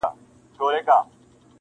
چي لا ګرځې پر دنیا باندي ژوندی یې-